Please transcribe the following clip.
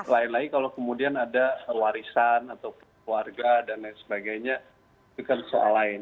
lain lagi kalau kemudian ada warisan atau keluarga dan lain sebagainya itu kan soal lain